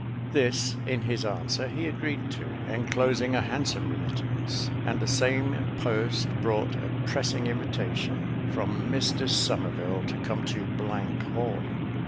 This in his answer he agreed to, enclosing a handsome remittance; and the same post brought a pressing invitation from Mr Somerville to come to Hall.